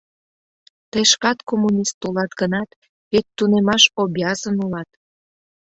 Тый шкат коммунист улат гынат, вет тунемаш обязан улат.